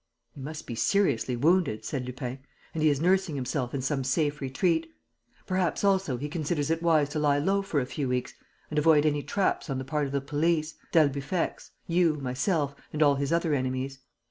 "He must be seriously wounded," said Lupin, "and he is nursing himself in some safe retreat. Perhaps, also, he considers it wise to lie low for a few weeks and avoid any traps on the part of the police, d'Albufex, you, myself and all his other enemies."